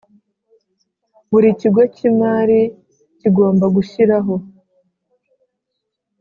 Buri Kigo cy imari kigomba gushyiraho